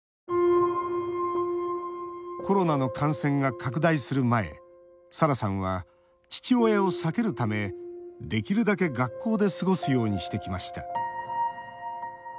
コロナの感染が拡大する前さらさんは、父親を避けるためできるだけ学校で過ごすようにしてきました。